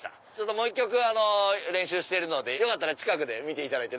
もう１曲練習してるのでよかったら見ていただいて。